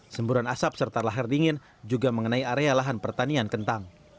semburan asap serta lahar dingin juga mengenai area lahan pertanian kentang